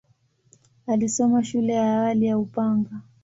Alisoma shule ya awali ya Upanga.